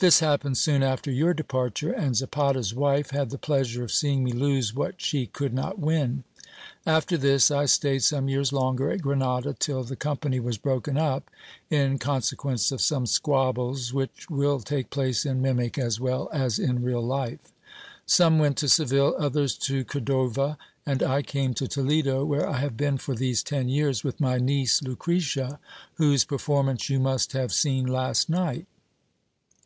This happened soon after your departure ; and Zapata's wife had the pleasure of seeing me lose what she could not win. After this, I stayed some years longer at Grenada, till the company was broken up in consequence of some squabbles, which will take place in mimic as well as in real life : some went to Seville, others to Cordova ; and I came to Toledo, where I have been for these ten years with my niece Lucretia, whose performance you must have seen last night.